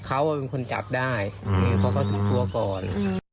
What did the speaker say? เขาว่าเป็นคนจับได้อืมเพราะเขาถูกตัวก่อน